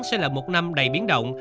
sẽ là một năm đầy biến động